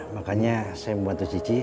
makanya saya membantu cici